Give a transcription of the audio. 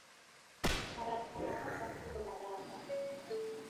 Araka araka sio baraka